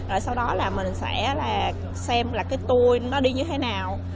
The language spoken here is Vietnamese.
rồi sau đó mình sẽ xem là cái tui nó đi như thế nào